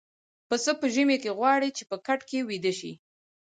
پسه په ژمي کې غواړي چې په کټ کې ويده شي.